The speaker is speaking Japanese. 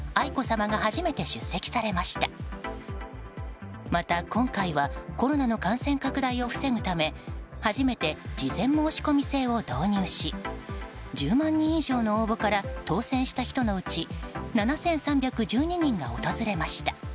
また、今回はコロナの感染拡大を防ぐため初めて事前申込制を導入し１０万人以上の応募から当選した人のうち７３１２人が訪れました。